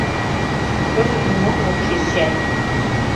— Кызыт нимом ок шиж чай.